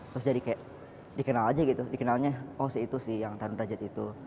terus jadi kayak dikenal aja gitu dikenalnya oh si itu sih yang tarun derajat itu